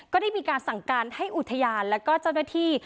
ก็ได้มีการสั่งการให้อุทยานและก็เจ้าหน้าที่